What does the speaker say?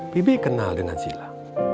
bibi kenal dengan sila